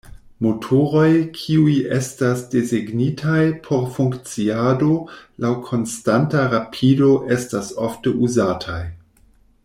Motoroj kiuj estas desegnitaj por funkciado laŭ konstanta rapido estas ofte uzataj.